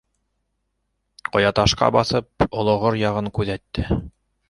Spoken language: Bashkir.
Ҡаяташҡа баҫып, Олоғыр яғын күҙәтте.